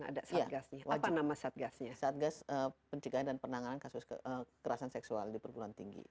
satgasnya apa nama satgasnya satgas pencegahan dan penanganan kasus kerasan seksual di perguruan tinggi